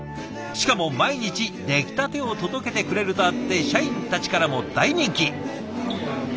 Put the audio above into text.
しかも毎日出来たてを届けてくれるとあって社員たちからも大人気。